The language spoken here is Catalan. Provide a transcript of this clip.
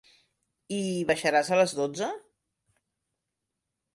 I baixaràs a les dotze?